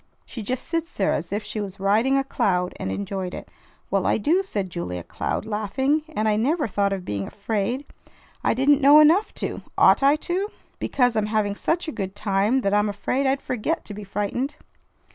She just sits there as if she was riding a cloud and enjoyed it." "Well, I do," said Julia Cloud, laughing; "and I never thought of being afraid. I didn't know enough to. Ought I to? Because I'm having such a good time that I'm afraid I'd forget to be frightened."